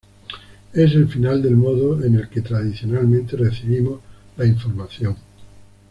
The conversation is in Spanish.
Es el final del modo en el que tradicionalmente recibimos la información.